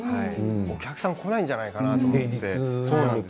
お客さんが来ないんじゃないかなと思いました。